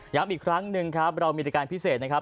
ย้ำอีกครั้งนึงครับเรามีอาใกล้การพิเศษนะครับ